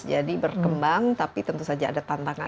jadi berkembang tapi tentu saja ada tantangan